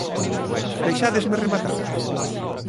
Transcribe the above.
¿Deixádesme rematar?